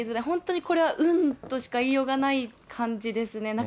本当にこれは、運としか言いようがない感じですね。